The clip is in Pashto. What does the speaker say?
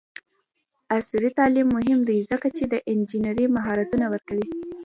عصري تعلیم مهم دی ځکه چې د انجینرۍ مهارتونه ورکوي.